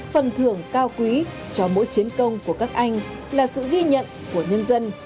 phần thưởng cao quý cho mỗi chiến công của các anh là sự ghi nhận của nhân dân